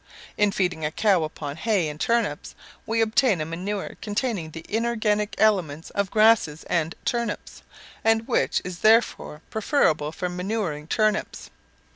In feeding a cow upon hay and turnips, we obtain a manure containing the inorganic elements of grasses and turnips, and which is therefore preferable for manuring turnips.